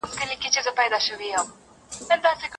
د طلا او جواهرو له شامته